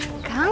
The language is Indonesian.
ini aku berani